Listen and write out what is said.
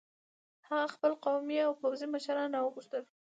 هغه خپل قومي او پوځي مشران را وغوښتل.